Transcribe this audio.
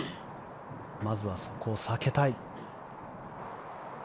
まずはそこを避けたい。